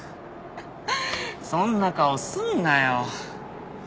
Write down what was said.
そんな顔すんなよ